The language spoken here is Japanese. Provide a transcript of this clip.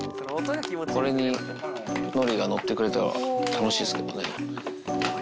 これにのりが乗ってくれたら、楽しいっすけどね。